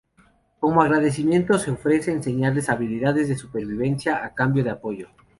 Como agradecimiento, se ofrece a enseñarles habilidades de supervivencia a cambio de apoyo.